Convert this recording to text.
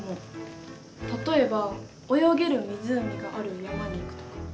例えば泳げる湖がある山に行くとか。